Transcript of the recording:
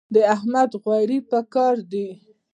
د احمد غوړي په کار دي.